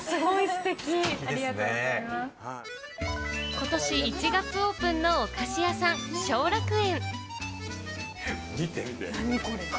ことし１月オープンのお菓子屋さん・小楽園。